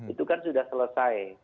itu kan sudah selesai